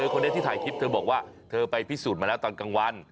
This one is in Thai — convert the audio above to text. คนนี้ที่ถ่ายคลิปเธอบอกว่าเธอไปพิสูจน์มาแล้วตอนกลางวัน